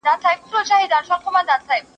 ¬ مړ په څه سو، چي ساه ئې و خته.